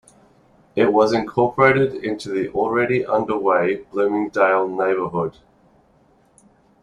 It was incorporated into the already-underway Bloomingdale neighborhood.